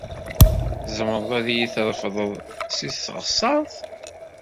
Tzemreḍ ad iyi-trefdeḍ seg teɣsert?